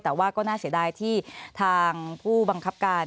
แต่ว่าก็น่าเสียดายที่ทางผู้บังคับการ